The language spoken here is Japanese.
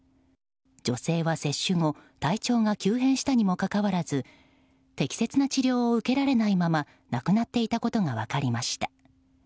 女性は接種後体調が急変したにもかかわらず適切な治療を受けられないまま亡くなっていたことが分かりました。